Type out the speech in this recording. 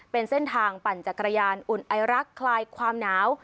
เป็นเส้นทางปั่นจักรยานอุ่นไอรักคลายความหนาว